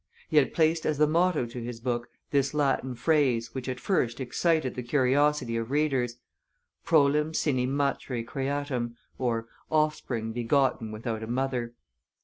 He had placed as the motto to his book this Latin phrase, which at first excited the curiosity of readers: Prolem sine matre creatam (Offspring begotten without a mother).